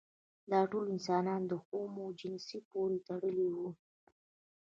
دا ټول انسانان د هومو جنس پورې تړلي وو.